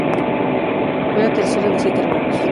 Fue la tercera de siete hermanos.